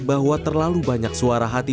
bahwa terlalu banyak suara hati